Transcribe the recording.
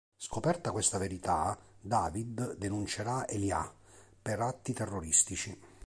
Scoperta questa verità, David denuncerà Elijah per atti terroristici.